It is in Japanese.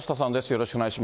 よろしくお願い